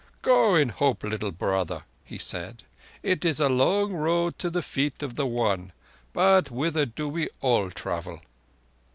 "Go in hope, little brother," he said. "It is a long road to the feet of the One; but thither do we all travel."